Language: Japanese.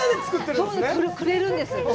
そう、くれるんです。